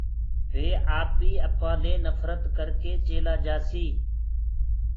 وي آپيٚ اپانٚ دي نڦرت ڪرڪي چيلآ جآسيٚ